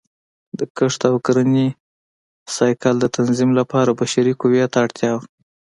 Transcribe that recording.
د کښت او کرنې سایکل د تنظیم لپاره بشري قوې ته اړتیا وه